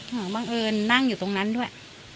อ๋อบรรเงินนั่งอยู่ตรงนั้นด้วย